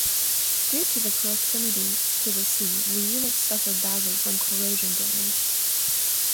Due to the proximity to the sea, the units suffered badly from corrosion damage.